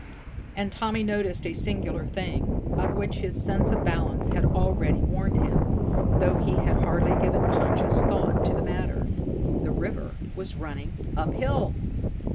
And Tommy noticed a singular thing, of which his sense of balance had already warned him, though he had hardly given conscious thought to the matter. _The river was running up hill!